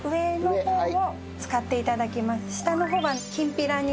下の方はきんぴらに。